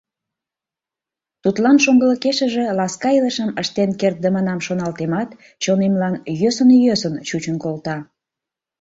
Тудлан шоҥгылыкешыже ласка илышым ыштен кертдымынам шоналтемат, чонемлан йӧсын-йӧсын чучын колта.